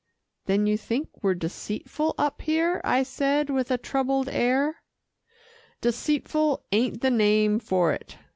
"Then you think we're deceitful up here," I said with a troubled air. "Deceitful ain't the name for it.